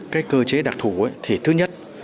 cái cơ chế đặc thủ thì thứ nhất